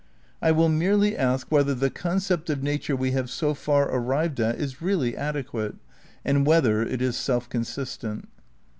I will merely ask whether the concept of nature we have so far arrived at is really adequate, and whether it is self consistent.